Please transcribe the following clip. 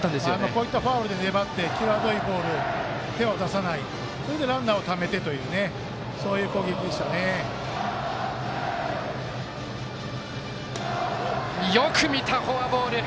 こういったファウルで粘って際どいボールに手を出さないそして、ランナーをためてというよく見た、フォアボール。